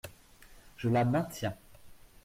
Je la maintiens.